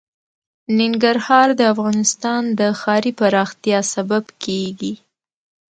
ننګرهار د افغانستان د ښاري پراختیا سبب کېږي.